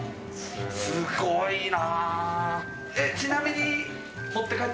すごいな。